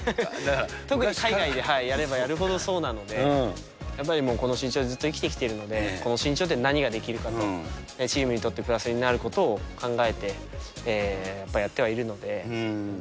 特に海外でやればやるほどそうなので、やっぱりもうこの身長でずっと生きてきてるので、この身長で何ができるかと、チームにとってプラスになることを考えて、やっぱりやってはいるので。